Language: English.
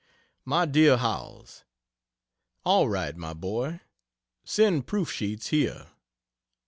MY DEAR HOWELLS, All right, my boy, send proof sheets here.